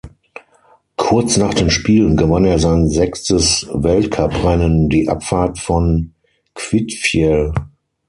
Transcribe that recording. Kurz nach den Spielen gewann er sein sechstes Weltcuprennen, die Abfahrt von Kvitfjell.